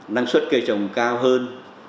năng suất cây trồng cao hơn